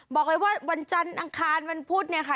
บอกเลยว่าวันจันทร์อังคารวันพุธเนี่ยค่ะ